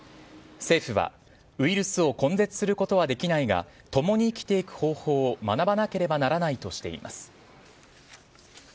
政府は、ウイルスを根絶することはできないが共に生きていく方法を学ばなければならないとしています。